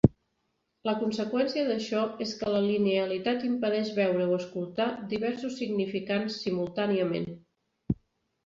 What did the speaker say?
La conseqüència d'això és que la linealitat impedeix veure o escoltar diversos significants simultàniament.